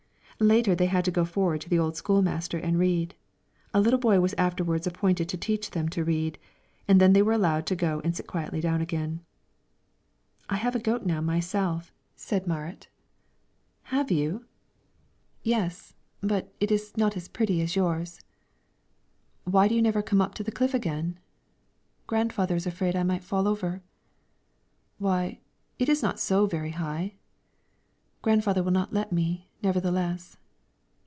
Later they had to go forward to the school master and read; a little boy was afterwards appointed to teach them to read, and then they were allowed to go and sit quietly down again. "I have a goat now myself," said Marit. "Have you?" "Yes, but it is not as pretty as yours." "Why do you never come up to the cliff again?" "Grandfather is afraid I might fall over." "Why, it is not so very high." "Grandfather will not let me, nevertheless."